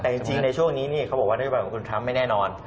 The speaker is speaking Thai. แต่จริงในช่วงนี้เขาบอกว่านโยบายของคุณทรัมป์ไม่แน่นอน